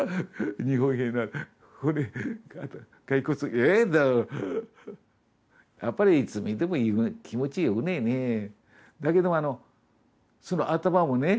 ゃっとやっぱりいつ見ても気持ちよくねえねだけどもあのその頭もね